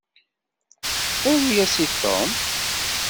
Aru-yas i Tom!